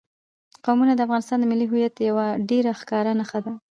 قومونه د افغانستان د ملي هویت یوه ډېره ښکاره نښه ده.